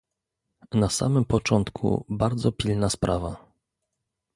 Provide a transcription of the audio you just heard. Na samym początku bardzo pilna sprawa